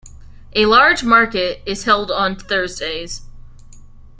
A large market is held on Thursdays.